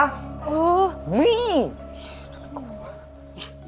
เออวิ่ง